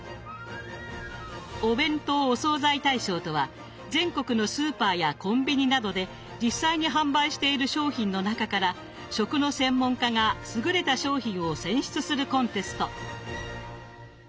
「お弁当・お惣菜大賞」とは全国のスーパーやコンビニなどで実際に販売している商品の中から食の専門家が優れた商品を選出するコンテスト。